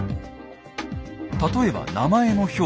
例えば名前の表記。